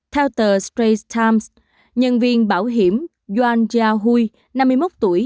theo tờ straits times nhân viên bảo hiểm yuan jiahui năm mươi một tuổi